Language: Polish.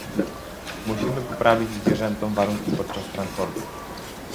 Musimy poprawić zwierzętom warunki podczas transportu